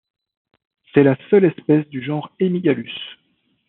C'est la seule espèce du genre Hemigalus.